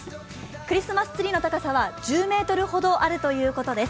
クリスマスツリーの高さは１０ｍほどあるということです。